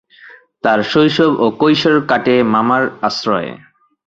তার শৈশব ও কৈশোর কাটে মামার আশ্রয়ে।